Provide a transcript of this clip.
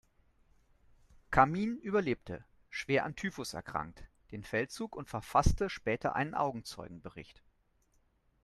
Camin überlebte, schwer an Typhus erkrankt, den Feldzug und verfasste später einen Augenzeugenbericht.